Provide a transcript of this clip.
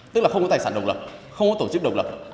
tức là không có tài sản độc lập không có tổ chức độc lập